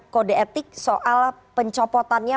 kode etik soal pencopotannya